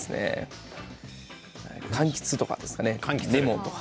かんきつとかですかねレモンとか。